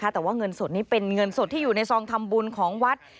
แต่ว่าเงินสดนี้เป็นเงินสดที่อยู่ในซองทำบุญของวัด